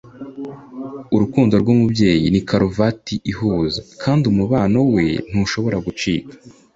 urukundo rw'umubyeyi ni karuvati ihuza, kandi umubano we ntushobora gucika.